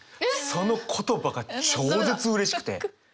その言葉が超絶うれしくて！